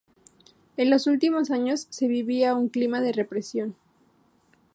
En los últimos años se vivía un clima de represión.